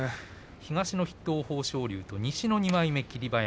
東の筆頭豊昇龍と西の２枚目の霧馬山。